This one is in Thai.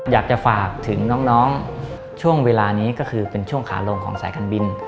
อยากจะฝากถึงน้องช่วงเวลานี้ก็คือเป็นช่วงขาลงของสายการบิน